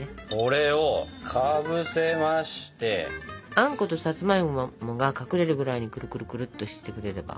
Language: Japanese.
あんことさつまいもが隠れるぐらいにくるくるくるっとしてくれれば。